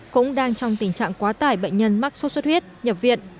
cũng đang trong tình trạng quá tải bệnh nhân mắc sốt xuất huyết nhập viện